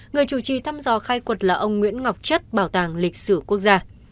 người chủ trì thăm dò khai quật là ông nguyễn ngọc chất bảo tàng lịch sử quốc gia